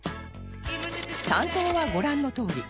担当はご覧のとおり